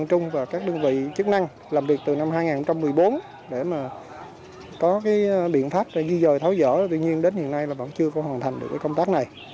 từ năm hai nghìn một mươi bốn để có biện pháp di rời tháo dỡ tuy nhiên đến hiện nay vẫn chưa hoàn thành công tác này